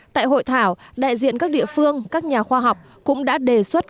tại hội thảo đại diện các địa phương các nhà khoa học cũng đã đề xuất